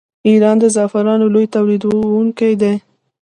ایران د زعفرانو لوی تولیدونکی دی.